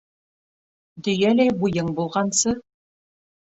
Дөйәләй буйың булғансы